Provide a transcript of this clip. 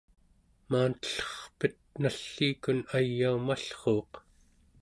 maantellerpet nalliikun ayaumallruuq